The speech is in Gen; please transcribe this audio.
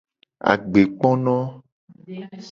Agbekpono.